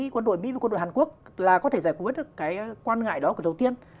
quân đội mỹ và quân đội hàn quốc là có thể giải quyết được cái quan ngại đó của đầu tiên